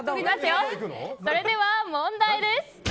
それでは問題です。